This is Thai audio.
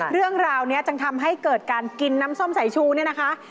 เรื่องราวนี้จึงทำให้เกิดการกินน้ำส้มสายชูเนี่ยนะคะ